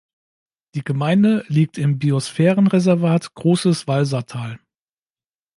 Die Gemeinde liegt im Biosphärenreservat Großes Walsertal.